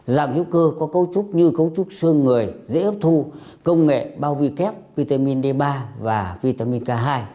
dạng hữu cơ có cấu trúc như cấu trúc xương người dễ hấp thu công nghệ bao vi kép petamin d ba và vitamin k hai